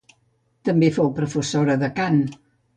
També fou professora de cant.